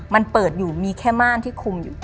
มันเปิดอยู่มีแค่ม่านที่คุมอยู่